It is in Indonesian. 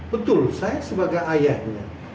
betul saya sebagai ayahnya